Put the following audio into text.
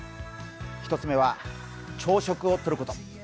１つ目は、朝食を取ること。